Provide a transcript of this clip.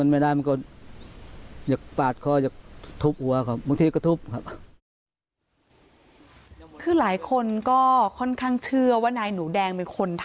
มีเสพ